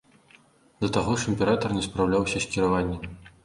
Да таго ж, імператар не спраўляўся з кіраваннем.